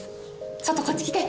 ちょっとこっち来て！